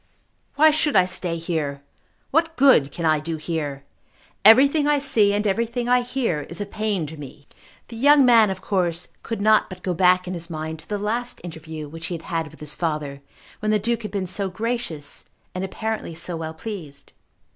Why should I stay here? What good can I do here? Everything I see and everything I hear is a pain to me." The young man of course could not but go back in his mind to the last interview which he had had with his father, when the Duke had been so gracious and apparently so well pleased.